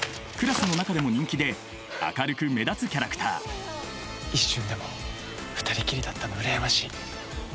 クラスの中でも人気で明るく目立つキャラクター一瞬でも２人きりだったの羨ましい。